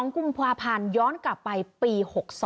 ๒กุมภาพันธ์ย้อนกลับไปปี๖๒